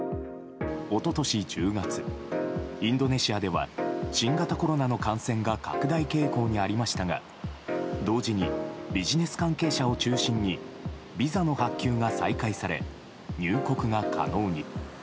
一昨年１０月、インドネシアでは新型コロナの感染が拡大傾向にありましたが同時にビジネス関係者を中心にビザの発給が再開され入国が可能に。